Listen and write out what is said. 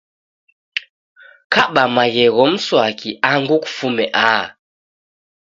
Kaba maghegho mswaki angu kufume aha